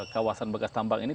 kawasan bekas tambang ini